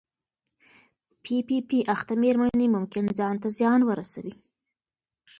پی پي پي اخته مېرمنې ممکن ځان ته زیان ورسوي.